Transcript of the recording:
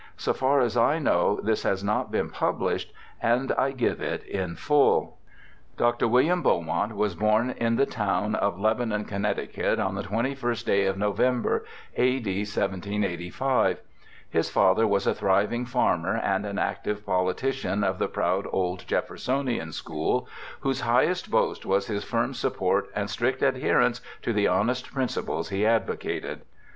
So far as I know this has not been published, and I give it in full :' Dr. William Beaumont was born in the town 01 Lebanon, Conn., on the 21st day of November, a.d. 1785. His father was a thriving farmer and an active politician of the proud old Jeffersonian school, whose highest boast was his firm support and strict adherence to the honest principles he advocated.